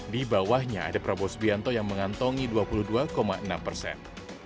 di bawahnya ada prabowo subianto yang mengantongi dua puluh dua enam persen